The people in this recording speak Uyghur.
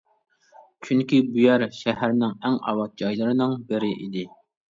چۈنكى بۇ يەر شەھەرنىڭ ئەڭ ئاۋات جايلىرىنىڭ بىرى ئىدى.